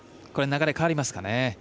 流れ変わりますかね。